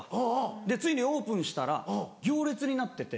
でついにオープンしたら行列になってて。